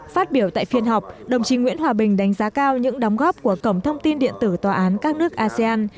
phát biểu tại phiên họp đồng chí nguyễn hòa bình đánh giá cao những đóng góp của cổng thông tin điện tử tòa án các nước asean